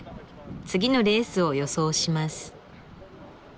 次のレースを予想します。